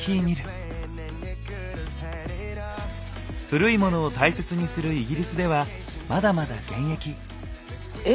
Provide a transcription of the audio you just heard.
古いモノを大切にするイギリスではまだまだ現役。